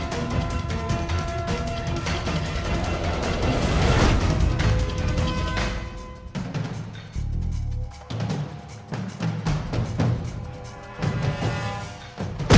มันไม่ไหนหน่าหรอ